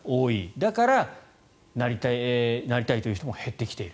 だから、なりたい人も減ってきている。